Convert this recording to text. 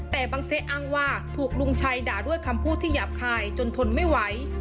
แต่บังเซะอ้างว่าถูกลุงชัยด่าด้วยคำพูดที่หยาบคายจนทนไม่ไหว